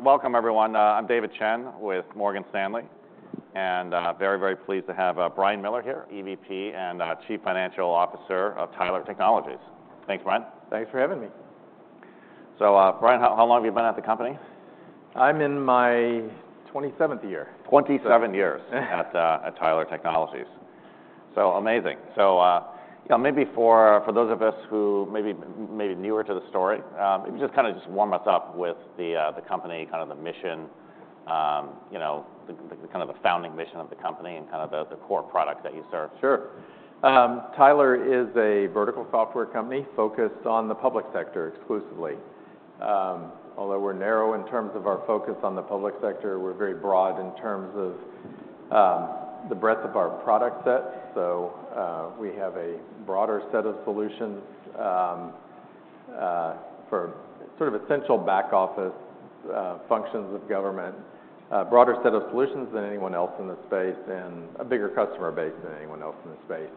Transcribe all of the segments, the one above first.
Welcome, everyone. I'm David Chen with Morgan Stanley, and very, very pleased to have Brian Miller here, EVP and Chief Financial Officer of Tyler Technologies. Thanks, Brian. Thanks for having me. So, Brian, how long have you been at the company? I'm in my 27th year. 27 years at Tyler Technologies. So amazing. So, you know, maybe for those of us who may be newer to the story, if you just kind of warm us up with the company, kind of the mission, you know, the kind of the founding mission of the company and kind of the core product that you serve. Sure. Tyler is a vertical software company focused on the public sector exclusively. Although we're narrow in terms of our focus on the public sector, we're very broad in terms of the breadth of our product set. So, we have a broader set of solutions for sort of essential back office functions of government. Broader set of solutions than anyone else in this space, and a bigger customer base than anyone else in the space.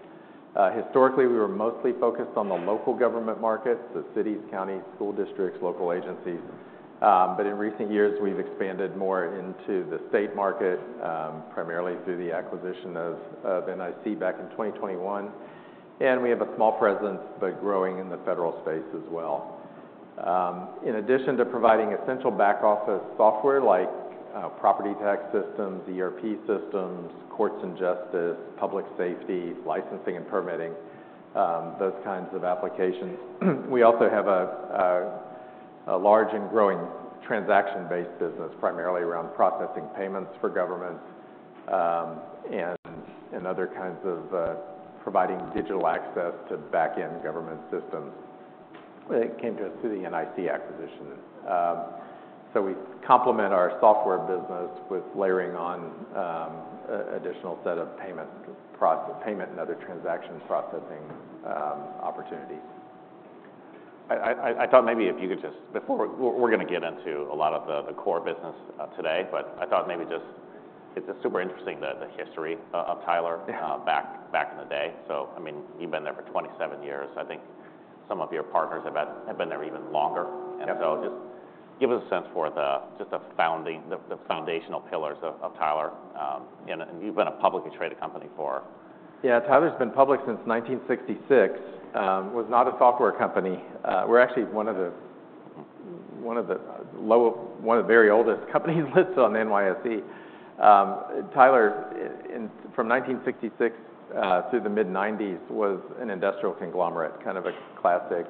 Historically, we were mostly focused on the local government markets, the cities, counties, school districts, local agencies. But in recent years, we've expanded more into the state market, primarily through the acquisition of NIC back in 2021, and we have a small presence, but growing in the federal space as well. In addition to providing essential back office software like property tax systems, ERP systems, courts and justice, public safety, licensing and permitting, those kinds of applications, we also have a large and growing transaction-based business, primarily around processing payments for government, and other kinds of providing digital access to back-end government systems. When it came to us through the NIC acquisition. So we complement our software business with layering on a additional set of payment and other transaction processing opportunities. I thought maybe if you could just before we're gonna get into a lot of the core business today, but I thought maybe just.. It's just super interesting, the history of Tyler. Yeah Back in the day. So, I mean, you've been there for 27 years. I think some of your partners have been there even longer. Yeah. And so just give us a sense for just the founding, the foundational pillars of Tyler. And you've been a publicly traded company for... Yeah, Tyler's been public since 1966. Was not a software company. We're actually one of the very oldest companies listed on NYSE. Tyler, in, from 1966 through the mid-1990s, was an industrial conglomerate, kind of a classic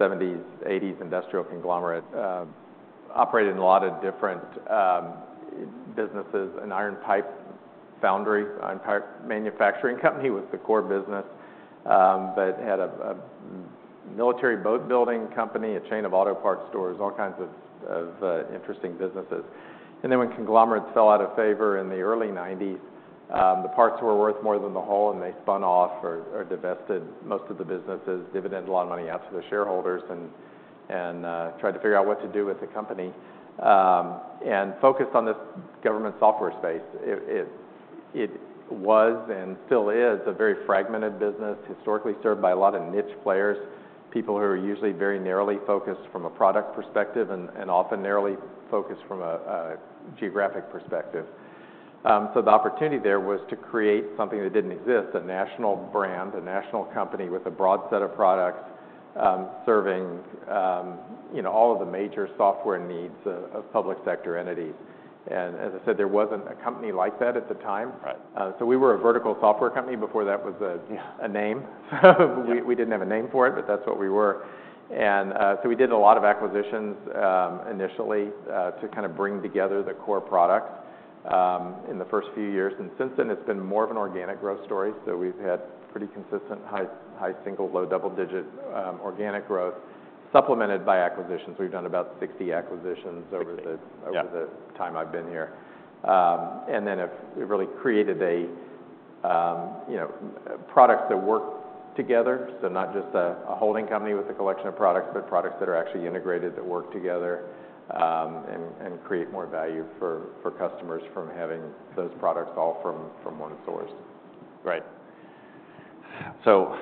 1970s, 1980s industrial conglomerate. Operated in a lot of different businesses, an iron pipe foundry, iron pipe manufacturing company was the core business. But had a military boat building company, a chain of auto parts stores, all kinds of interesting businesses. And then when conglomerates fell out of favor in the early 1990s, the parts were worth more than the whole, and they spun off or divested most of the businesses, divvied a lot of money out to the shareholders, and tried to figure out what to do with the company, and focused on this government software space. It was and still is a very fragmented business, historically served by a lot of niche players, people who are usually very narrowly focused from a product perspective and often narrowly focused from a geographic perspective. So the opportunity there was to create something that didn't exist, a national brand, a national company with a broad set of products, serving you know all of the major software needs of public sector entities. As I said, there wasn't a company like that at the time. Right. So we were a vertical software company before that was a- Yeah... a name. Yeah. We, we didn't have a name for it, but that's what we were. And, so we did a lot of acquisitions, initially, to kind of bring together the core products, in the first few years. And since then, it's been more of an organic growth story. So we've had pretty consistent, high, high single, low, double-digit, organic growth, supplemented by acquisitions. We've done about 60 acquisitions over the- Yeah... over the time I've been here. And then it really created, you know, products that work together. So not just a holding company with a collection of products, but products that are actually integrated, that work together, and create more value for customers from having those products all from one source. Right. So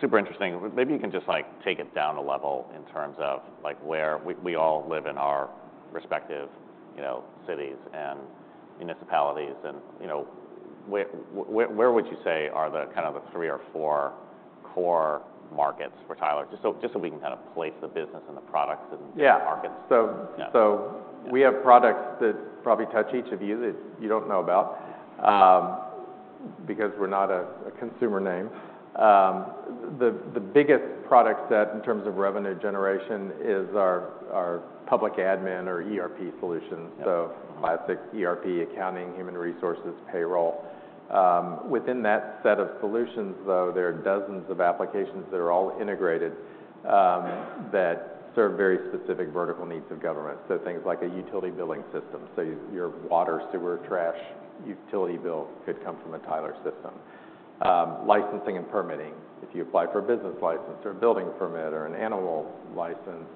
super interesting. Maybe you can just, like, take it down a level in terms of, like, where—we all live in our respective, you know, cities and municipalities and, you know, where would you say are the kind of the three or four core markets for Tyler? Just so, just so we can kind of place the business and the products and- Yeah - the markets. So- Yeah So we have products that probably touch each of you, that you don't know about, because we're not a consumer name. The biggest product set in terms of revenue generation is our public admin or ERP solutions. Yeah. So classic ERP, accounting, human resources, payroll. Within that set of solutions, though, there are dozens of applications that are all integrated, that serve very specific vertical needs of government. So things like a utility billing system. So your water, sewer, trash, utility bill could come from a Tyler system. Licensing and permitting, if you apply for a business license or a building permit or an animal license,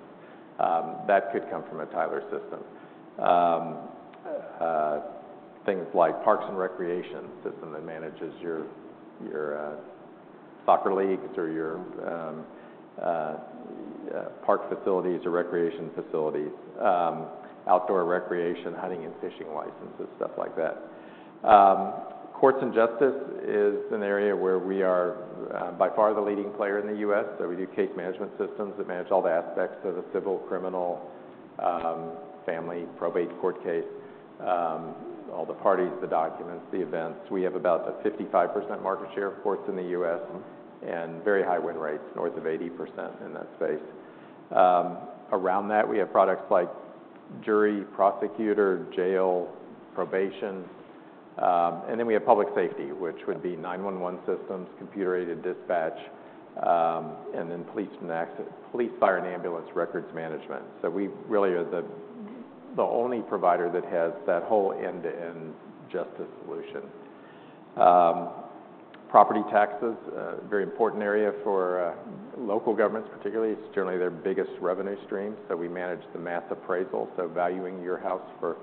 that could come from a Tyler system. Things like parks and recreation system that manages your soccer leagues or your park facilities or recreation facilities, outdoor recreation, hunting and fishing licenses, stuff like that. Courts and justice is an area where we are by far the leading player in the U.S.. So we do case management systems that manage all the aspects of a civil, criminal, family, probate court case, all the parties, the documents, the events. We have about a 55% market share of courts in the U.S., and very high win rates, north of 80% in that space. Around that, we have products like jury, prosecutor, jail, probation, and then we have public safety, which would be 911 systems, computer-aided dispatch, and then police, fire, and ambulance records management. So we really are the, the only provider that has that whole end-to-end justice solution. Property taxes, very important area for local governments, particularly. It's generally their biggest revenue stream, so we manage the mass appraisal, so valuing your house for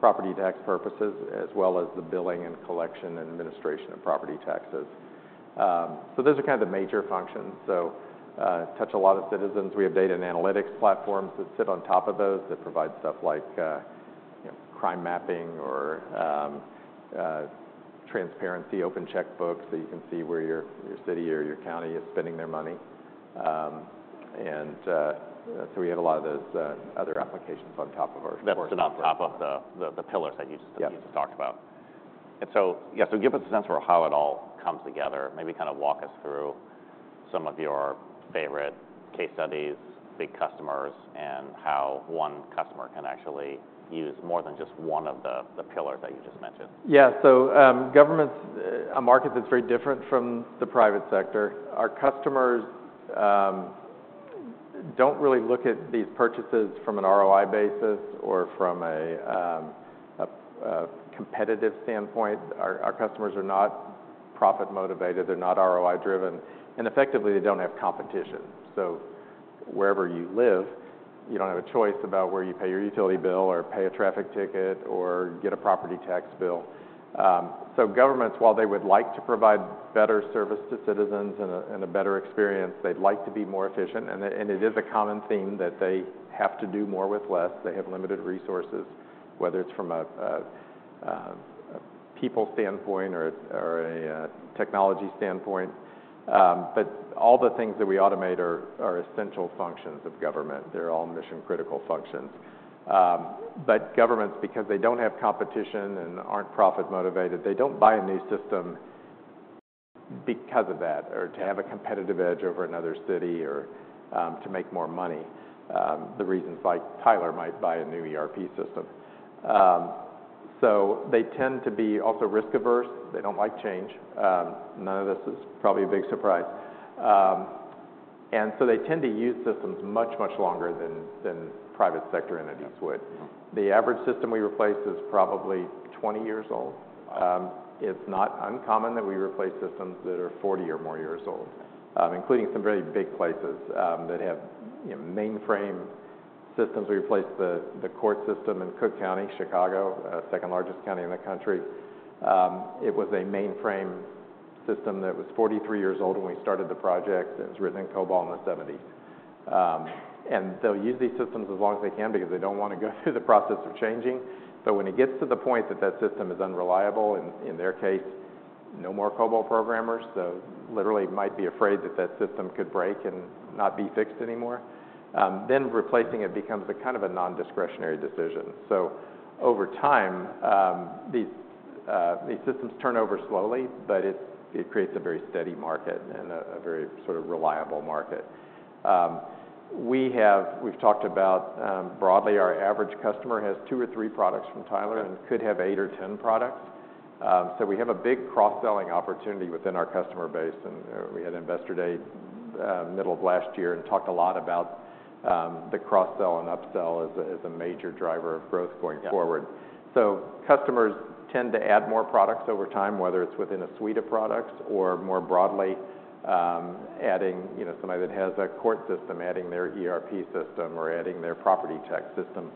property tax purposes, as well as the billing and collection and administration of property taxes. So those are kind of the major functions, so touch a lot of citizens. We have data and analytics platforms that sit on top of those, that provide stuff like, you know, crime mapping or transparency, open checkbooks, so you can see where your city or your county is spending their money. And so we have a lot of those other applications on top of our- That's on top of the pillars that you just- Yeah... you just talked about. So, yeah, so give us a sense for how it all comes together. Maybe kind of walk us through some of your favorite case studies, big customers, and how one customer can actually use more than just one of the pillars that you just mentioned. Yeah, so, government's a market that's very different from the private sector. Our customers don't really look at these purchases from an ROI basis or from a competitive standpoint. Our customers are not profit-motivated, they're not ROI-driven, and effectively, they don't have competition. So wherever you live, you don't have a choice about where you pay your utility bill or pay a traffic ticket or get a property tax bill. So governments, while they would like to provide better service to citizens and a better experience, they'd like to be more efficient, and it is a common theme that they have to do more with less. They have limited resources, whether it's from a people standpoint or a technology standpoint. But all the things that we automate are essential functions of government. They're all mission-critical functions. But governments, because they don't have competition and aren't profit-motivated, they don't buy a new system because of that, or to have a competitive edge over another city or, to make more money, the reasons like Tyler might buy a new ERP system. So they tend to be also risk-averse. They don't like change. None of this is probably a big surprise. And so they tend to use systems much, much longer than private sector entities would. Mm-hmm. The average system we replace is probably 20 years old. Wow! It's not uncommon that we replace systems that are 40 or more years old, including some very big places, that have, you know, mainframe systems. We replaced the, the court system in Cook County, Chicago, second largest county in the country. It was a mainframe system that was 43 years old when we started the project, that was written in COBOL in the 1970s. And they'll use these systems as long as they can because they don't want to go through the process of changing. But when it gets to the point that that system is unreliable, and in their case, no more COBOL programmers, so literally might be afraid that that system could break and not be fixed anymore, then replacing it becomes a kind of a non-discretionary decision. So over time, these systems turn over slowly, but it creates a very steady market and a very sort of reliable market. We've talked about, broadly, our average customer has two or three products from Tyler. Right And could have eight or 10 products. So we have a big cross-selling opportunity within our customer base, and we had Investor Day middle of last year, and talked a lot about the cross-sell and up-sell as a major driver of growth going forward. Yeah. So customers tend to add more products over time, whether it's within a suite of products or more broadly, adding, you know, somebody that has a court system, adding their ERP system or adding their property tax system,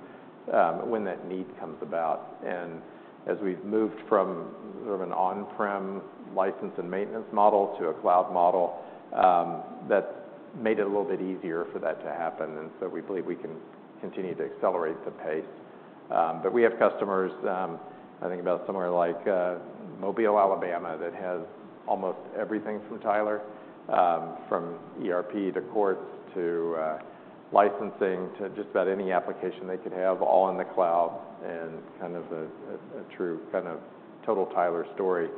when that need comes about. And as we've moved from sort of an on-prem license and maintenance model to a cloud model, that made it a little bit easier for that to happen, and so we believe we can continue to accelerate the pace. But we have customers, I think about somewhere like Mobile, Alabama, that has almost everything from Tyler, from ERP to courts to licensing, to just about any application they could have all in the cloud, and kind of a true, kind of total Tyler story.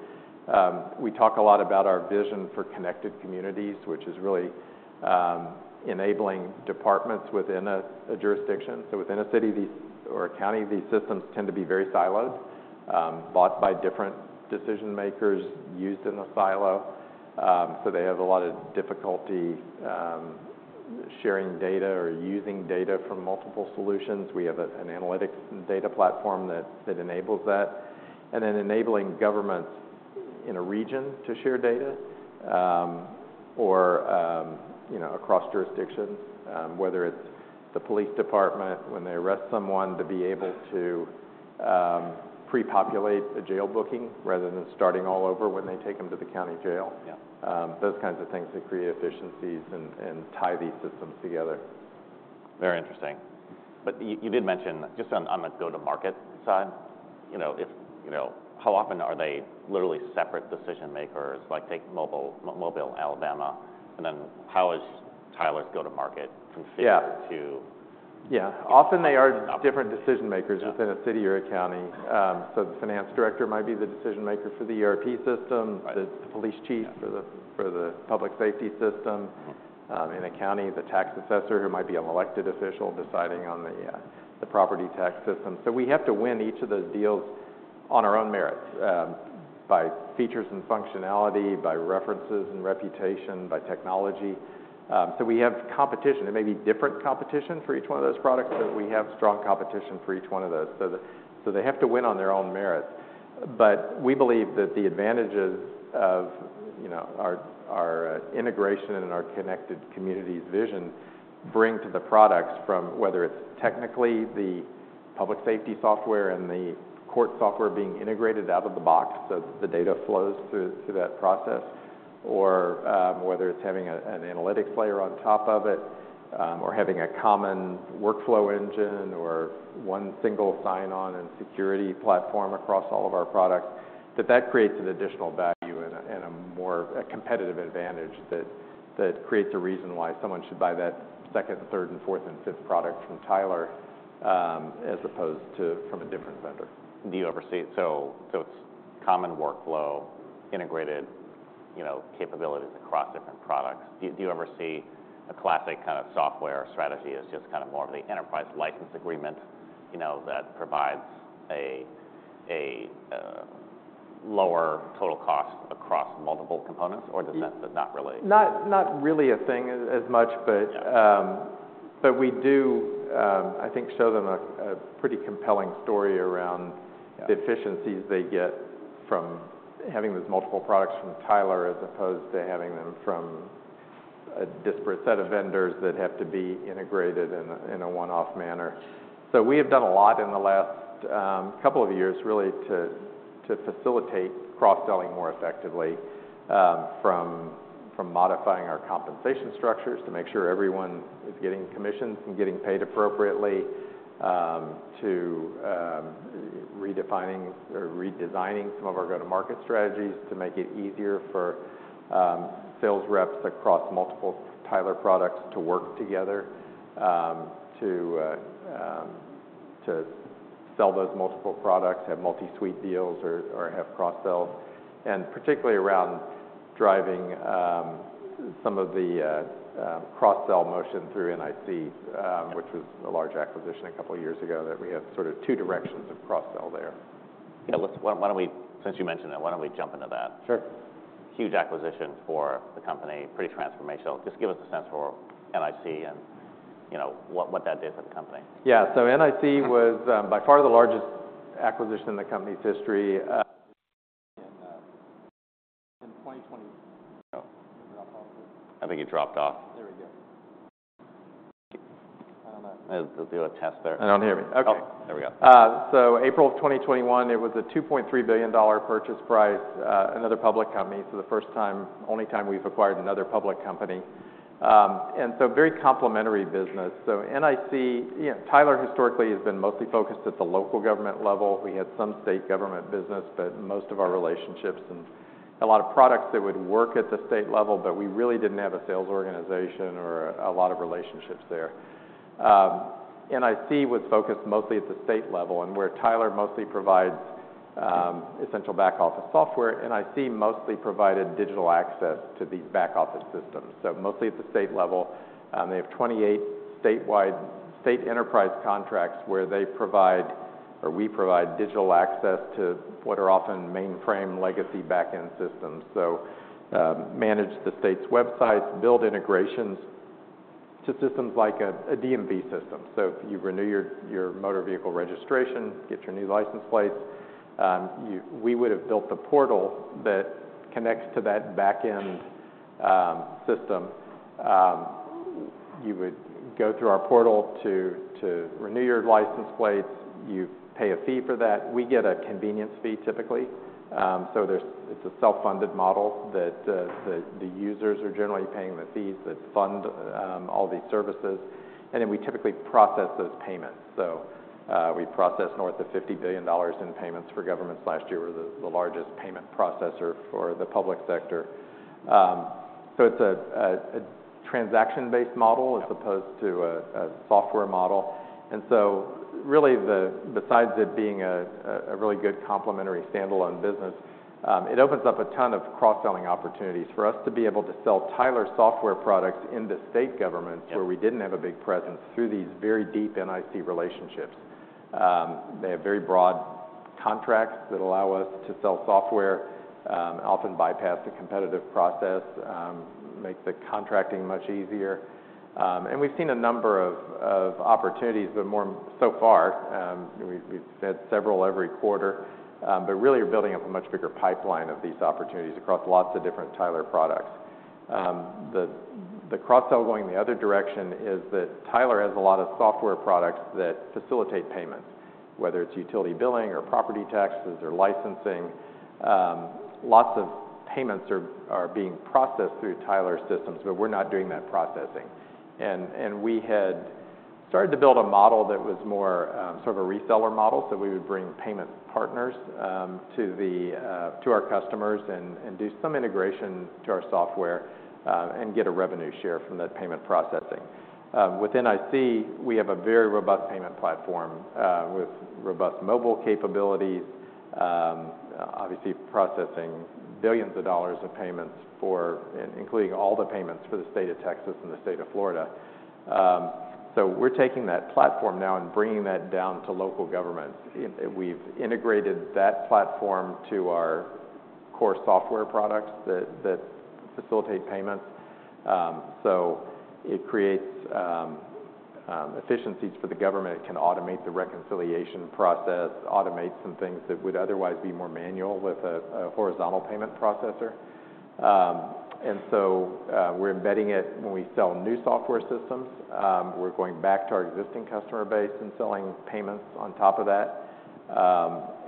We talk a lot about our vision for Connected Communities, which is really enabling departments within a jurisdiction. So within a city, these or a county, these systems tend to be very siloed, bought by different decision makers, used in a silo, so they have a lot of difficulty sharing data or using data from multiple solutions. We have an analytics and data platform that enables that. And then enabling governments in a region to share data, or, you know, across jurisdictions, whether it's the police department when they arrest someone, to be able to pre-populate a jail booking rather than starting all over when they take them to the county jail. Yeah. Those kinds of things that create efficiencies and tie these systems together. Very interesting. But you did mention just on the go-to-market side, you know, if, you know, how often are they literally separate decision makers? Like, take Mobile, Alabama, and then how is Tyler's go-to-market configured? Yeah -to- Yeah. Um- Often they are different decision makers- Yeah -within a city or a county. So the finance director might be the decision maker for the ERP system- Right... the police chief- Yeah -for the public safety system. Mm-hmm. In a county, the tax assessor, who might be an elected official, deciding on the property tax system. So we have to win each of those deals on our own merits, by features and functionality, by references and reputation, by technology. So we have competition. It may be different competition for each one of those products, but we have strong competition for each one of those. So they have to win on their own merit. But we believe that the advantages of, you know, our integration and our Connected Communities vision bring to the products, from whether it's technically the public safety software and the court software being integrated out of the box, so the data flows through that process, or whether it's having an analytics layer on top of it, or having a common workflow engine, or one single sign-on and security platform across all of our products, that that creates an additional value and a, and a more of a competitive advantage that creates a reason why someone should buy that second, third, and fourth, and fifth product from Tyler, as opposed to from a different vendor. Do you ever see? So, it's common workflow, integrated, you know, capabilities across different products. Do you ever see a classic kind of software strategy as just kind of more of the enterprise license agreement, you know, that provides a lower total cost across multiple components, or does that not really- Not really a thing as much, but- Yeah but we do, I think, show them a pretty compelling story around- Yeah The efficiencies they get from having these multiple products from Tyler, as opposed to having them from a disparate set of vendors that have to be integrated in a one-off manner. So we have done a lot in the last couple of years, really, to facilitate cross-selling more effectively. From modifying our compensation structures to make sure everyone is getting commissions and getting paid appropriately, to redefining or redesigning some of our go-to-market strategies to make it easier for sales reps across multiple Tyler products to work together, to sell those multiple products, have multi-suite deals or have cross-sells. And particularly around driving some of the cross-sell motion through NIC, which was a large acquisition a couple of years ago, that we have sort of two directions of cross-sell there. Yeah, since you mentioned that, why don't we jump into that? Sure. Huge acquisition for the company, pretty transformational. Just give us a sense for NIC and, you know, what that did for the company. Yeah. So NIC was by far the largest acquisition in the company's history, in 2020... Oh, it dropped off there. I think it dropped off. There we go. I don't know. Let's do a test there. I don't hear me. Okay. Oh, there we go. So April 2021, it was a $2.3 billion purchase price. Another public company, so the first time, only time we've acquired another public company. And so very complementary business. So NIC, you know, Tyler historically has been mostly focused at the local government level. We had some state government business, but most of our relationships and a lot of products that would work at the state level, but we really didn't have a sales organization or a lot of relationships there. NIC was focused mostly at the state level, and where Tyler mostly provides essential back office software, NIC mostly provided digital access to these back office systems, so mostly at the state level. They have 28 statewide state enterprise contracts where they provide, or we provide, digital access to what are often mainframe legacy back-end systems. So, manage the state's websites, build integrations to systems like a DMV system. So if you renew your motor vehicle registration, get your new license plates, you-- we would have built the portal that connects to that back-end system. You would go through our portal to renew your license plates. You pay a fee for that. We get a convenience fee, typically. So, there's-- it's a self-funded model that the users are generally paying the fees that fund all these services. And then we typically process those payments. So, we processed north of $50 billion in payments for governments last year. We're the largest payment processor for the public sector. So, it's a transaction-based model- Yeah... as opposed to a software model. And so really, besides it being a really good complementary standalone business, it opens up a ton of cross-selling opportunities for us to be able to sell Tyler software products in the state governments- Yeah... where we didn't have a big presence, through these very deep NIC relationships. They have very broad contracts that allow us to sell software, often bypass the competitive process, make the contracting much easier. And we've seen a number of opportunities, but more so far, we've had several every quarter. But really we're building up a much bigger pipeline of these opportunities across lots of different Tyler products. The cross-sell going the other direction is that Tyler has a lot of software products that facilitate payments, whether it's utility billing or property taxes or licensing. Lots of payments are being processed through Tyler's systems, but we're not doing that processing. We had started to build a model that was more sort of a reseller model, so we would bring payment partners to our customers and do some integration to our software and get a revenue share from that payment processing. Within NIC, we have a very robust payment platform with robust mobile capabilities, obviously processing billions of dollars of payments for including all the payments for the state of Texas and the state of Florida. So we're taking that platform now and bringing that down to local governments. And we've integrated that platform to our core software products that facilitate payments. So it creates efficiencies for the government. It can automate the reconciliation process, automate some things that would otherwise be more manual with a horizontal payment processor. And so, we're embedding it when we sell new software systems. We're going back to our existing customer base and selling payments on top of that.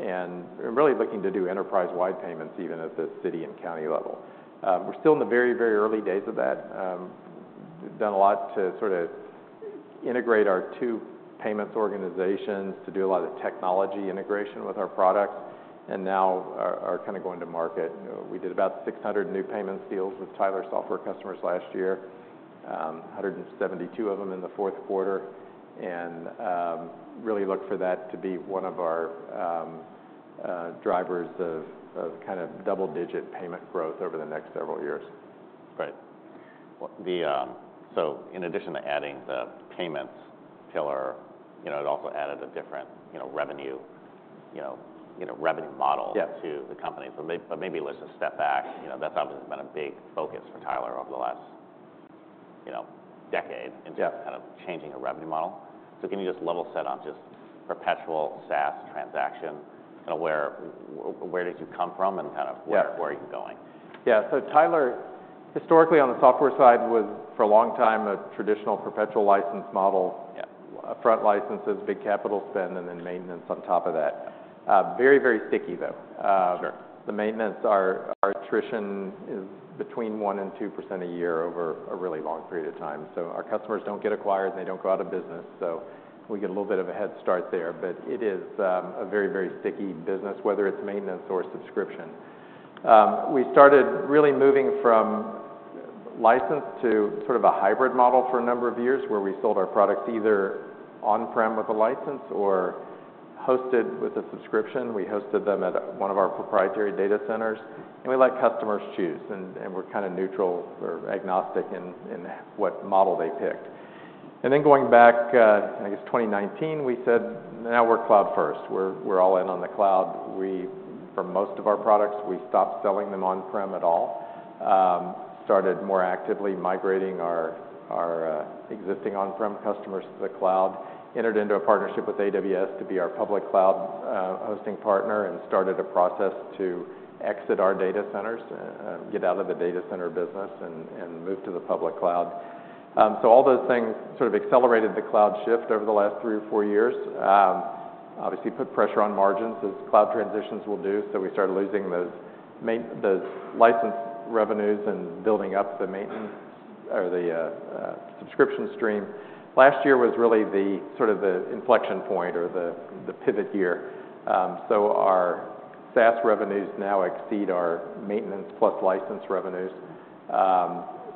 And we're really looking to do enterprise-wide payments, even at the city and county level. We're still in the very, very early days of that. We've done a lot to sort of integrate our two payments organizations, to do a lot of technology integration with our products, and now are kind of going to market. We did about 600 new payment deals with Tyler software customers last year, 172 of them in the fourth quarter, and really look for that to be one of our drivers of kind of double-digit payment growth over the next several years. Right. Well, so in addition to adding the payments pillar, you know, it also added a different, you know, revenue, you know, you know, revenue model- Yeah to the company. But maybe let's just step back. You know, that's obviously been a big focus for Tyler over the last, you know, decade- Yeah in just kind of changing the revenue model. So can you just level set on just perpetual SaaS transaction and where, where did you come from, and kind of- Yeah Where are you going? Yeah. So Tyler, historically on the software side, was for a long time a traditional perpetual license model. Yeah. Upfront licenses, big capital spend, and then maintenance on top of that. Very, very sticky, though. Sure. The maintenance, our attrition is between 1% and 2% a year over a really long period of time. So our customers don't get acquired, and they don't go out of business, so we get a little bit of a head start there. But it is a very, very sticky business, whether it's maintenance or subscription. We started really moving from license to sort of a hybrid model for a number of years, where we sold our products either on-prem with a license or hosted with a subscription. We hosted them at one of our proprietary data centers, and we let customers choose, and we're kind of neutral or agnostic in what model they picked. And then going back, I guess 2019, we said, "Now we're cloud first. We're all in on the cloud." We, for most of our products, stopped selling them on-prem at all. Started more actively migrating our existing on-prem customers to the cloud. Entered into a partnership with AWS to be our public cloud hosting partner, and started a process to exit our data centers, get out of the data center business and move to the public cloud. So all those things sort of accelerated the cloud shift over the last three or four years. Obviously, put pressure on margins, as cloud transitions will do, so we started losing those license revenues and building up the maintenance or the subscription stream. Last year was really the inflection point or the pivot year. So our SaaS revenues now exceed our maintenance plus license revenues.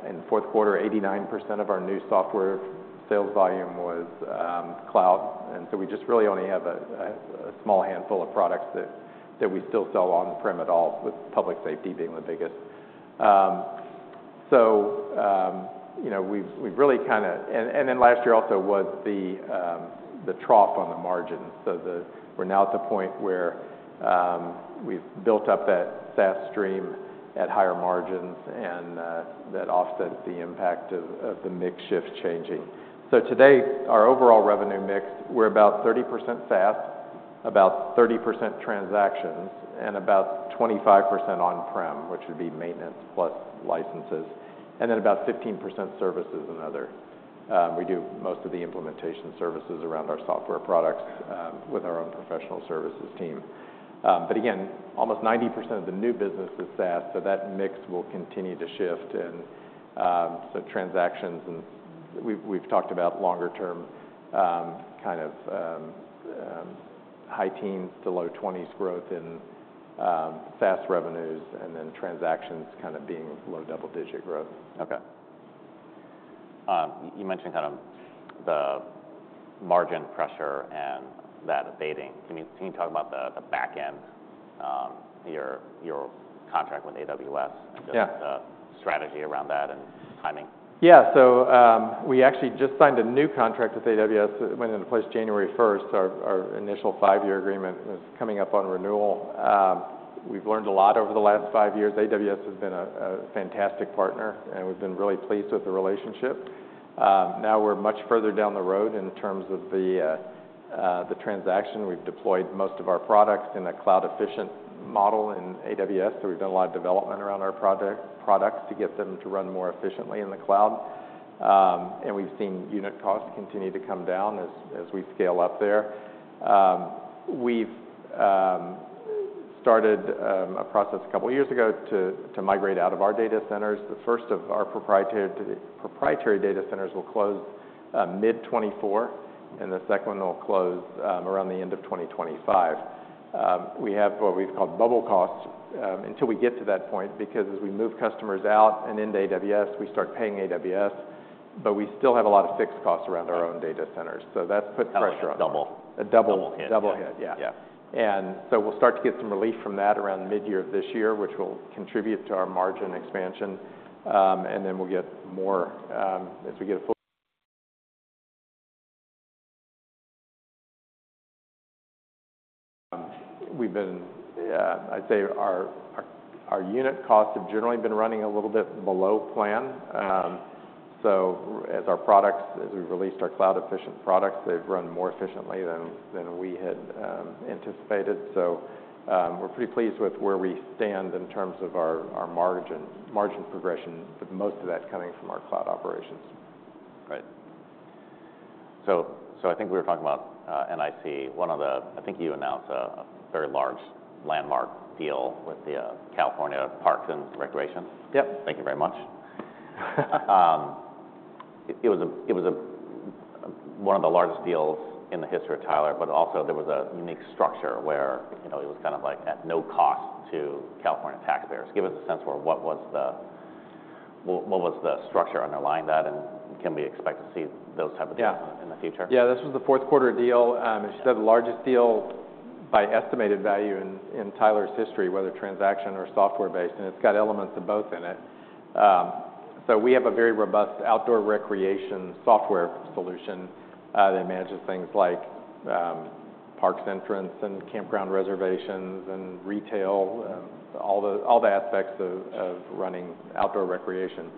In the fourth quarter, 89% of our new software sales volume was cloud, and so we just really only have a small handful of products that we still sell on-prem at all, with public safety being the biggest. So, you know, we've really kind of... And then last year also was the trough on the margins. We're now at the point where we've built up that SaaS stream at higher margins, and that offsets the impact of the mix shift changing. So today, our overall revenue mix, we're about 30% SaaS, about 30% transactions, and about 25% on-prem, which would be maintenance plus licenses, and then about 15% services and other. We do most of the implementation services around our software products, with our own professional services team. But again, almost 90% of the new business is SaaS, so that mix will continue to shift, and so transactions and we've talked about longer term, kind of, high teens to low twenties growth in SaaS revenues, and then transactions kind of being low double-digit growth. Okay. You mentioned kind of the margin pressure and that abating. Can you talk about the back end, your contract with AWS? Yeah. Just the strategy around that and timing. Yeah. So, we actually just signed a new contract with AWS that went into place January first. Our initial five-year agreement is coming up on renewal. We've learned a lot over the last five years. AWS has been a fantastic partner, and we've been really pleased with the relationship. Now we're much further down the road in terms of the transaction. We've deployed most of our products in a cloud-efficient model in AWS, so we've done a lot of development around our product, products to get them to run more efficiently in the cloud. And we've seen unit costs continue to come down as we scale up there. We've started a process a couple of years ago to migrate out of our data centers. The first of our proprietary data centers will close mid-2024, and the second one will close around the end of 2025. We have what we've called bubble costs until we get to that point, because as we move customers out and into AWS, we start paying AWS, but we still have a lot of fixed costs around our own data centers, so that puts pressure on- Double. A double- Double hit. Double hit, yeah. Yeah. And so we'll start to get some relief from that around midyear of this year, which will contribute to our margin expansion, and then we'll get more, as we get a full... We've been, I'd say, our unit costs have generally been running a little bit below plan. Mm-hmm. So, as our products, as we've released our cloud-efficient products, they've run more efficiently than we had anticipated. So, we're pretty pleased with where we stand in terms of our margin progression, with most of that coming from our cloud operations. Right. So I think we were talking about NIC, one of the—I think you announced a very large landmark deal with the California Parks and Recreation. Yep. Thank you very much. It was a one of the largest deals in the history of Tyler, but also there was a unique structure where, you know, it was kind of like at no cost to California taxpayers. Give us a sense for what was the structure underlying that, and can we expect to see those type of deals- Yeah in the future? Yeah, this was the fourth quarter deal, as you said, the largest deal by estimated value in Tyler's history, whether transaction or software based, and it's got elements of both in it. So we have a very robust outdoor recreation software solution that manages things like parks entrance, and campground reservations, and retail, all the aspects of running outdoor recreation.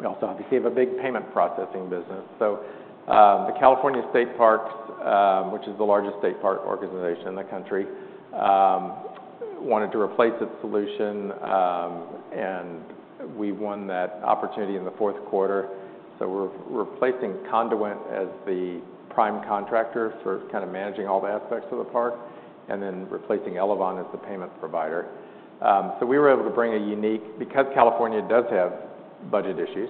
We also have a big payment processing business. So the California State Parks, which is the largest state park organization in the country, wanted to replace its solution, and we won that opportunity in the fourth quarter. So we're replacing Conduent as the prime contractor for kind of managing all the aspects of the park and then replacing Elavon as the payment provider. So we were able to bring a unique. Because California does have budget issues,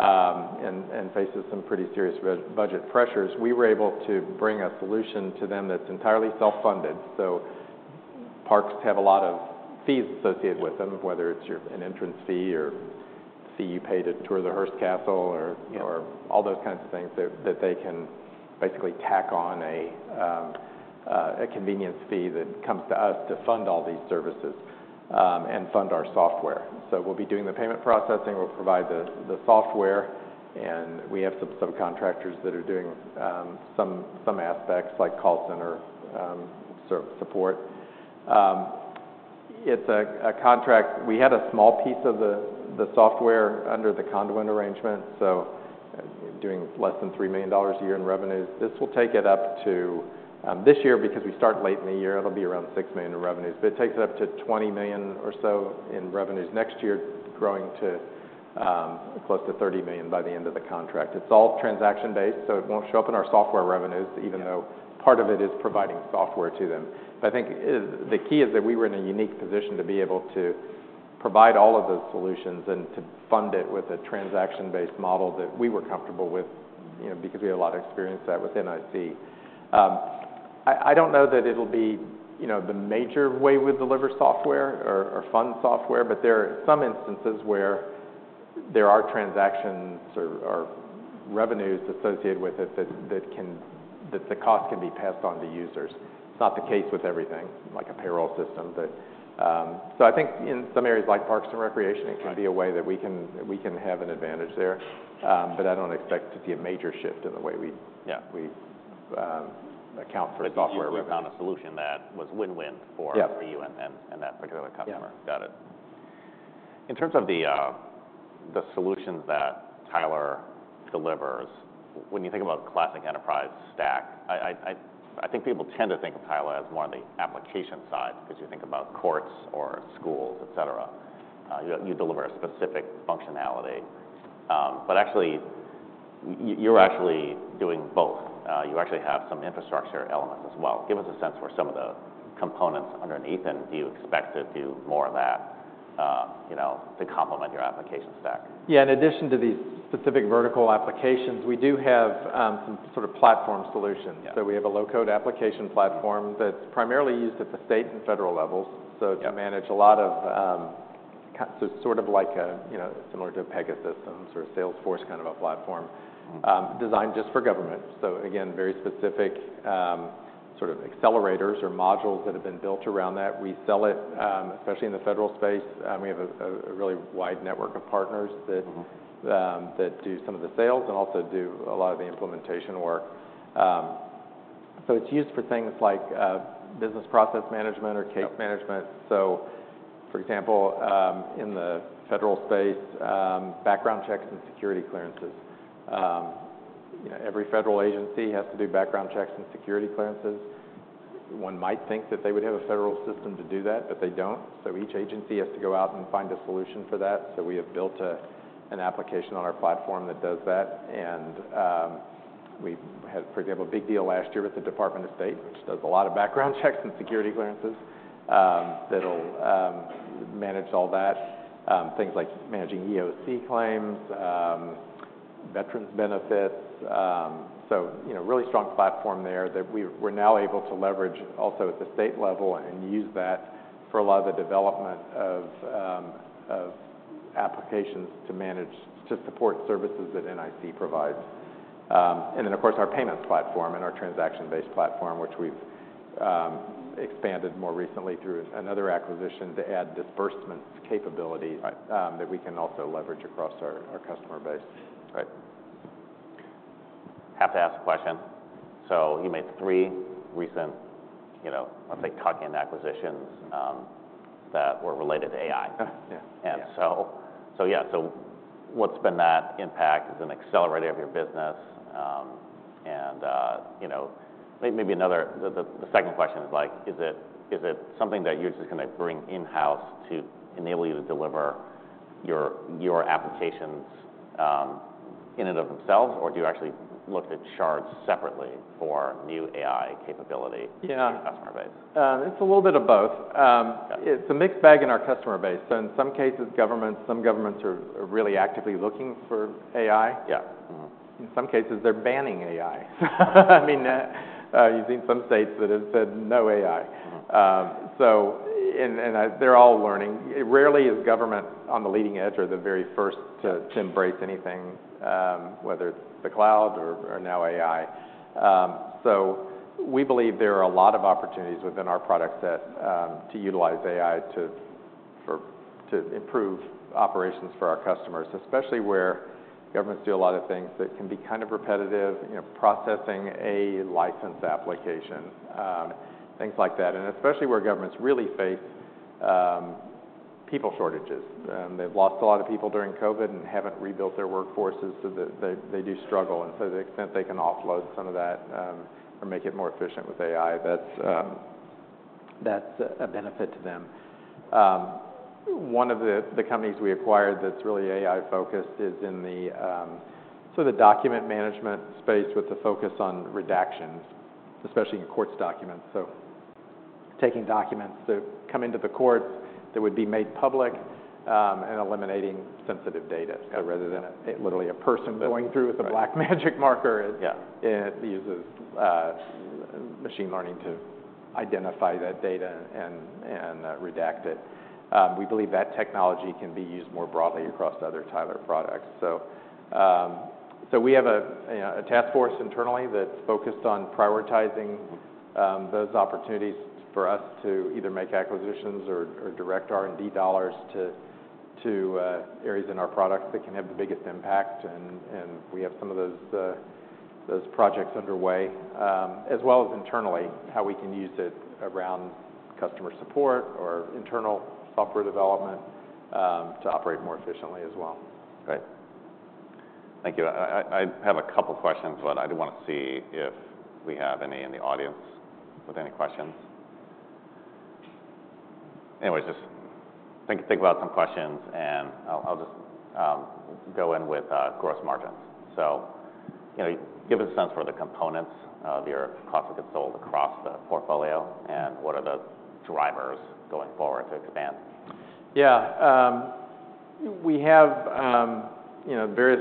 and faces some pretty serious budget pressures, we were able to bring a solution to them that's entirely self-funded. So parks have a lot of fees associated with them, whether it's an entrance fee or fee you pay to tour the Hearst Castle or- Yeah or all those kinds of things that, that they can basically tack on a, a convenience fee that comes to us to fund all these services, and fund our software. So we'll be doing the payment processing. We'll provide the, the software, and we have some subcontractors that are doing, some, some aspects, like call center, support. It's a, a contract. We had a small piece of the, the software under the Conduent arrangement, so doing less than $3 million a year in revenues. This will take it up to, this year, because we start late in the year, it'll be around $6 million in revenues, but it takes it up to $20 million or so in revenues next year, growing to, close to $30 million by the end of the contract. It's all transaction based, so it won't show up in our software revenues, even though- Yeah... part of it is providing software to them. But I think the key is that we were in a unique position to be able to provide all of those solutions and to fund it with a transaction-based model that we were comfortable with, you know, because we have a lot of experience with that with NIC. I don't know that it'll be, you know, the major way we deliver software or fund software, but there are some instances where there are transactions or revenues associated with it that the cost can be passed on to users. It's not the case with everything, like a payroll system. But so I think in some areas, like parks and recreation- Right It can be a way that we can have an advantage there. But I don't expect to see a major shift in the way we- Yeah... we account for software revenues. But you found a solution that was win-win for- Yeah for you and then, and that particular customer. Yeah. Got it. In terms of the, the solutions that Tyler delivers, when you think about classic enterprise stack, I think people tend to think of Tyler as more of the application side, because you think about courts or schools, et cetera. You deliver a specific functionality. But actually, you're actually doing both. You actually have some infrastructure elements as well. Give us a sense for some of the components underneath, and do you expect to do more of that, you know, to complement your application stack? Yeah, in addition to these specific vertical applications, we do have some sort of platform solutions. Yeah. We have a low-code application platform. Mm... that's primarily used at the state and federal levels. Yeah. So to manage a lot of, so sort of like a, you know, similar to a Pega system or a Salesforce kind of a platform- Mm designed just for government. So again, very specific, sort of accelerators or modules that have been built around that. We sell it, especially in the federal space. We have a really wide network of partners that- Mm... that do some of the sales and also do a lot of the implementation work. So it's used for things like business process management or case management. So for example, in the federal space, background checks and security clearances. You know, every federal agency has to do background checks and security clearances. One might think that they would have a federal system to do that, but they don't. So each agency has to go out and find a solution for that. So we have built an application on our platform that does that, and we had, for example, a big deal last year with the Department of State, which does a lot of background checks and security clearances, that'll manage all that. Things like managing EOC claims, veterans benefits. So, you know, really strong platform there that we're now able to leverage also at the state level and use that for a lot of the development of applications to support services that NIC provides. And then of course, our payments platform and our transaction-based platform, which we've expanded more recently through another acquisition to add disbursement capability. Right. that we can also leverage across our customer base. Right. Have to ask a question. You made three recent, you know, I'll say, tuck-in acquisitions, that were related to AI. Uh, yeah. And so, yeah. So what's been that impact as an accelerator of your business? And, you know, maybe another... The second question is, like, is it something that you're just gonna bring in-house to enable you to deliver your applications in and of themselves? Or do you actually look to charge separately for new AI capability- Yeah. in your customer base? It's a little bit of both. Yeah. It's a mixed bag in our customer base. So in some cases, governments, some governments are really actively looking for AI. Yeah. Mm-hmm. In some cases, they're banning AI. I mean, you've seen some states that have said, "No AI. Mm-hmm. They're all learning. Rarely is government on the leading edge or the very first to embrace anything, whether it's the cloud or now AI. So we believe there are a lot of opportunities within our product set to utilize AI to improve operations for our customers, especially where governments do a lot of things that can be kind of repetitive, you know, processing a license application, things like that. And especially where governments really face people shortages. They've lost a lot of people during COVID and haven't rebuilt their workforces, so they do struggle. And so to the extent they can offload some of that or make it more efficient with AI, that's a benefit to them. One of the companies we acquired that's really AI-focused is in the document management space with a focus on redactions, especially in court documents. So taking documents that come into the courts, that would be made public, and eliminating sensitive data, rather than literally a person going through- Right with a black magic marker. Yeah. It uses machine learning to identify that data and redact it. We believe that technology can be used more broadly across other Tyler products. So we have a task force internally that's focused on prioritizing those opportunities for us to either make acquisitions or direct R&D dollars to areas in our products that can have the biggest impact. And we have some of those projects underway. As well as internally, how we can use it around customer support or internal software development to operate more efficiently as well. Great. Thank you. I have a couple questions, but I do want to see if we have any in the audience with any questions. Anyways, just think about some questions, and I'll just go in with gross margins. So, you know, give us a sense for the components of your cost of goods sold across the portfolio, and what are the drivers going forward to expand? Yeah. We have, you know, various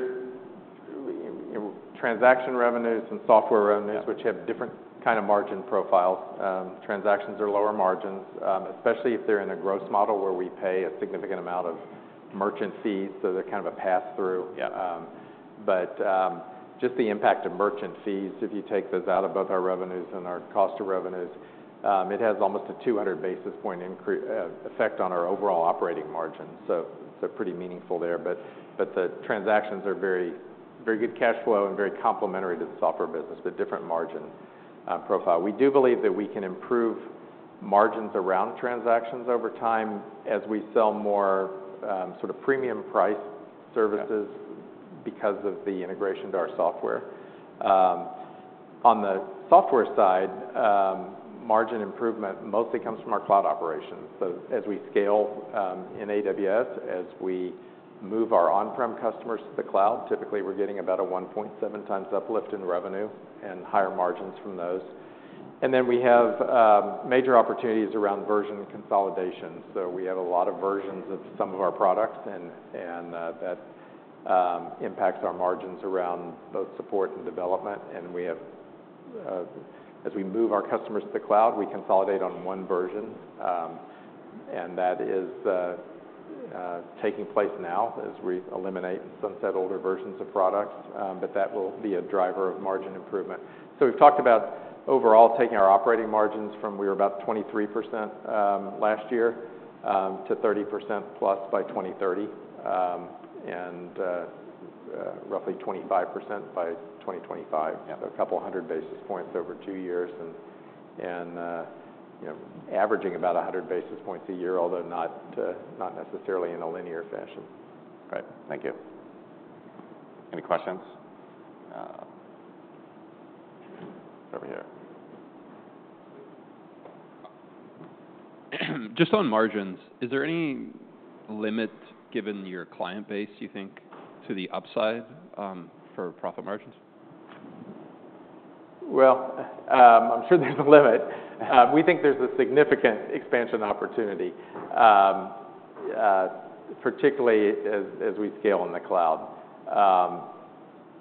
transaction revenues and software revenues- Yeah... which have different kind of margin profiles. Transactions are lower margins, especially if they're in a gross model where we pay a significant amount of merchant fees, so they're kind of a pass-through. Yeah. But just the impact of merchant fees, if you take those out of both our revenues and our cost of revenues, it has almost a 200 basis point effect on our overall operating margins, so it's pretty meaningful there. But the transactions are very, very good cash flow and very complementary to the software business, but different margin profile. We do believe that we can improve margins around transactions over time as we sell more sort of premium price services- Yeah because of the integration to our software. On the software side, margin improvement mostly comes from our cloud operations. So as we scale in AWS, as we move our on-prem customers to the cloud, typically we're getting about a 1.7x uplift in revenue and higher margins from those. And then we have major opportunities around version consolidation. So we have a lot of versions of some of our products, and that impacts our margins around both support and development, and we have, as we move our customers to the cloud, we consolidate on one version. And that is taking place now as we eliminate and sunset older versions of products, but that will be a driver of margin improvement. So we've talked about overall, taking our operating margins from we were about 23% last year to 30%+ by 2030, and roughly 25% by 2025. Yeah. A couple of 200 basis points over two years, and, you know, averaging about 100 basis points a year, although not necessarily in a linear fashion. Right. Thank you. Any questions? Over here. Just on margins, is there any limit, given your client base, you think, to the upside, for profit margins? Well, I'm sure there's a limit. We think there's a significant expansion opportunity, particularly as we scale in the cloud.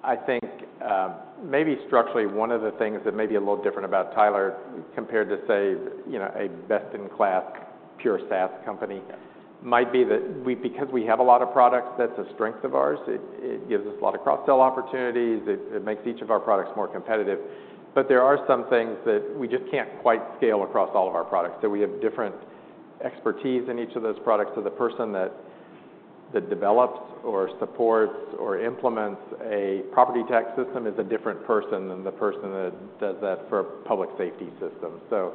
I think maybe structurally, one of the things that may be a little different about Tyler compared to, say, you know, a best-in-class, pure SaaS company, might be that because we have a lot of products, that's a strength of ours. It gives us a lot of cross-sell opportunities. It makes each of our products more competitive. But there are some things that we just can't quite scale across all of our products, so we have different expertise in each of those products, so the person that develops or supports or implements a property tax system is a different person than the person that does that for public safety systems. So,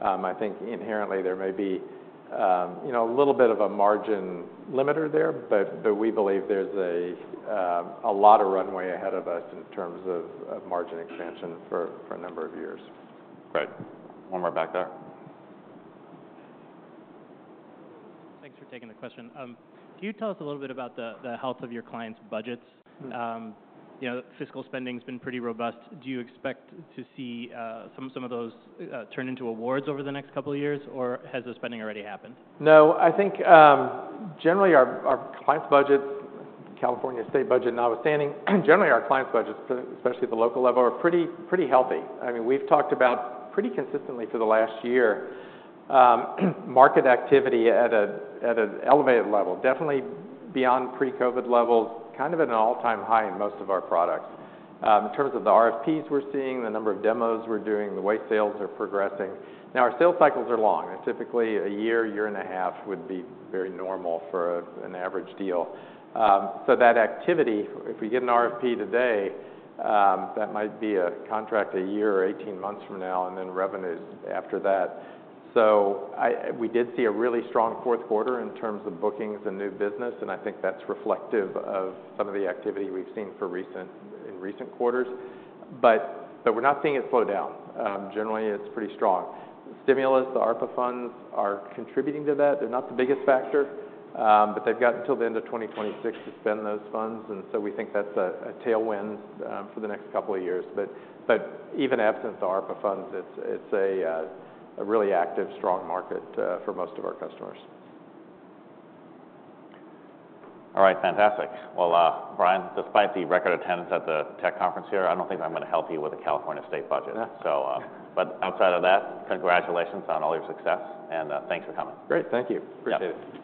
I think inherently there may be, you know, a little bit of a margin limiter there, but, but we believe there's a, a lot of runway ahead of us in terms of, of margin expansion for, for a number of years. Right. One more back there. Thanks for taking the question. Can you tell us a little bit about the health of your clients' budgets? Mm-hmm. You know, fiscal spending's been pretty robust. Do you expect to see some of those turn into awards over the next couple of years, or has the spending already happened? No, I think, generally, our, our clients' budgets, California state budget notwithstanding, generally, our clients' budgets, especially at the local level, are pretty, pretty healthy. I mean, we've talked about pretty consistently for the last year, market activity at an elevated level, definitely beyond pre-COVID levels, kind of at an all-time high in most of our products. In terms of the RFPs we're seeing, the number of demos we're doing, the way sales are progressing. Now, our sales cycles are long, and typically a year, year and a half would be very normal for an average deal. So that activity, if we get an RFP today, that might be a contract a year or 18 months from now, and then revenues after that. So we did see a really strong fourth quarter in terms of bookings and new business, and I think that's reflective of some of the activity we've seen in recent quarters. But we're not seeing it slow down. Generally, it's pretty strong. The stimulus, the ARPA funds, are contributing to that. They're not the biggest factor, but they've got until the end of 2026 to spend those funds, and so we think that's a tailwind for the next couple of years. But even absent the ARPA funds, it's a really active, strong market for most of our customers. All right. Fantastic. Well, Brian, despite the record attendance at the tech conference here, I don't think I'm gonna help you with the California state budget. Yeah. So, but outside of that, congratulations on all your success, and thanks for coming. Great. Thank you. Yeah. Appreciate it.